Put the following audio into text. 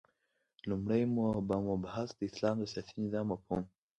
لومړی مبحث : د اسلام د سیاسی نظام مفهوم